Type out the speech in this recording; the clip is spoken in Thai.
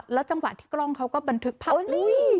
แล้วจังหวะที่กล้องเขาก็บันทึกพัก